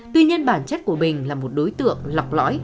tuy nhiên bản chất của bình là một đối tượng lọc lõi